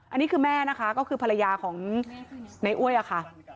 อันนี้คือแม่นะคะก็คือภรรยาของในอ้วยอะค่ะ